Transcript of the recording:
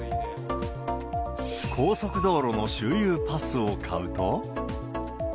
高速道路の周遊パスを買うと。